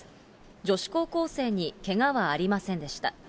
女子高校生にけがはありませんでした。